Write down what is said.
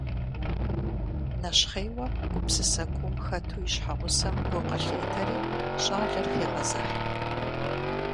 Нэщхъейуэ, гупсысэ куум хэту и щхьэгъусэм гу къылъетэри щӀалэр хегъэзыхь.